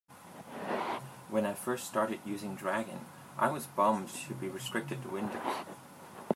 When I first started using Dragon, I was bummed to be restricted to Windows.